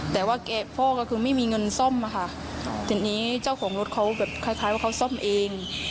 แต่ว่าพ่อก็คือไม่มีเงินซ่อมอะค่ะทีนี้เจ้าของรถเขาแบบคล้ายคล้ายว่าเขาซ่อมเอง